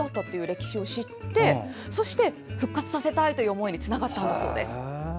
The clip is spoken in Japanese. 歴史を知りそして復活させたいという思いにつながったんだそうです。